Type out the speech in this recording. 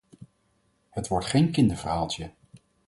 Het wordt geen kinderverhaaltje.